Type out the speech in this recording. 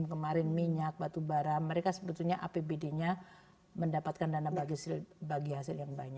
jika grandma tierra bersendiri bahkan pribadi mereka seperti apripedick mendapatkan acara harga portable dan mengembang membersil tradedile